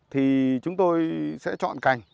thì chúng tôi sẽ chọn cành